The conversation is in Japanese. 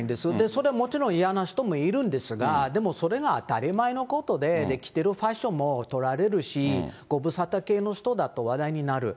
それ、もちろん嫌な人もいるんですが、でもそれが当たり前のことで、着てるファッションも撮られるし、ご無沙汰系の人だと話題になる。